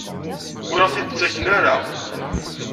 Ur aɣ-t-id-ttaken ara?